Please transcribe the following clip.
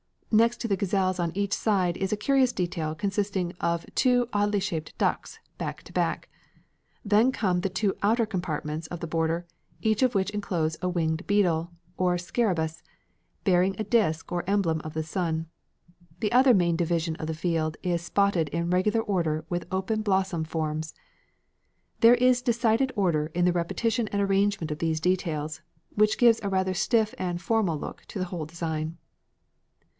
Next to the gazelles on each side is a curious detail consisting of two oddly shaped ducks, back to back; then come the two outer compartments of the border, each of which enclose a winged beetle, or scarabæus, bearing a disc or emblem of the sun. The other main division of the field is spotted in regular order with open blossom forms. There is decided order in the repetition and arrangement of these details, which gives a rather stiff and formal look to the whole design.